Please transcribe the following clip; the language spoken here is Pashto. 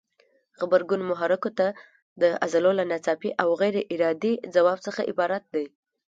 غبرګون محرکو ته د عضلو له ناڅاپي او غیر ارادي ځواب څخه عبارت دی.